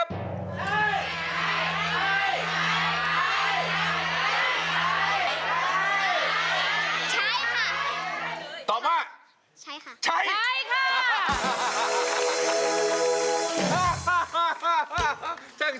ช่างฉลาดอะไรอย่างนี้